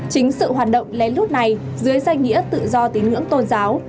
chính sự hoạt động lén lút này dưới danh nghĩa tự do tín ngưỡng tôn giáo